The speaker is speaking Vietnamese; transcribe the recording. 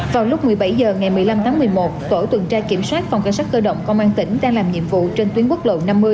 vào lúc một mươi bảy h ngày một mươi năm tháng một mươi một tổ tuần tra kiểm soát phòng cảnh sát cơ động công an tỉnh đang làm nhiệm vụ trên tuyến quốc lộ năm mươi